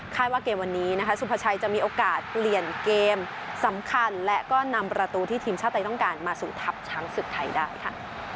ว่าเกมวันนี้นะคะสุภาชัยจะมีโอกาสเปลี่ยนเกมสำคัญและก็นำประตูที่ทีมชาติไทยต้องการมาสู่ทัพช้างศึกไทยได้ค่ะ